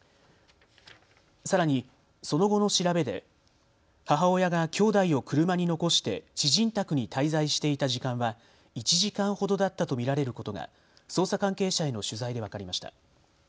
さらにその後の調べで母親がきょうだいを車に残して知人宅に滞在していた時間は１時間ほどだったと見られることが捜査関係者への取材で分かりました。